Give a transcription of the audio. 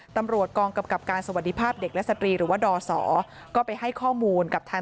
ตำรวจกองกำกับการสวัสดีภาพเด็กและสตรีหรือว่าดศก็ไปให้ข้อมูลกับทาง